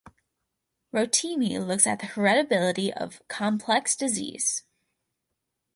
Rotimi looks at the heritability of complex disease.